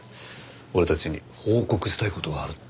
俺たちに報告したい事があるって。